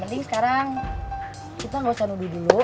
mending sekarang kita gak usah nuduh dulu